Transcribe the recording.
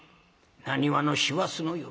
なにわの師走の夜。